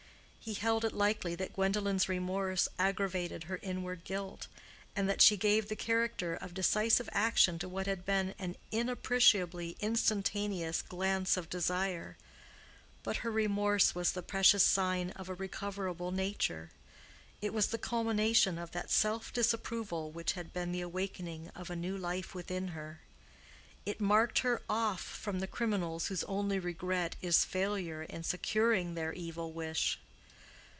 He held it likely that Gwendolen's remorse aggravated her inward guilt, and that she gave the character of decisive action to what had been an inappreciably instantaneous glance of desire. But her remorse was the precious sign of a recoverable nature; it was the culmination of that self disapproval which had been the awakening of a new life within her; it marked her off from the criminals whose only regret is failure in securing their evil wish.